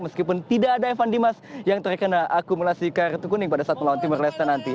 meskipun tidak ada evan dimas yang terkena akumulasi kartu kuning pada saat melawan timur leste nanti